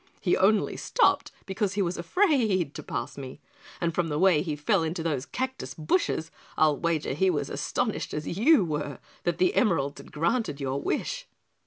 He only stopped because he was afraid to pass me, and from the way he fell into those cactus bushes, I'll wager he was as astonished as you were that the emeralds had granted your wish."